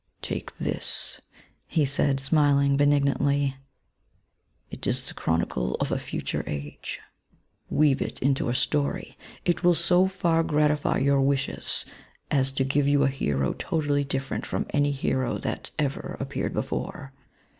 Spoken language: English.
*^ Take this,^ sakl he, smilii^ benignantly ; y it is the Chronicle of a future age. Weave 1NTAOB0CTION. VU it mto a story. It will so far gratify your wishes, as to give you a hero totally diffisrent from any hero that ever appeared before.